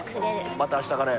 また明日からや。